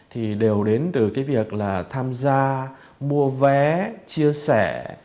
thì đều đến từ cái việc là tham gia mua vé chia sẻ